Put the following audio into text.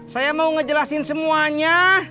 saya mau ngejelasin semuanya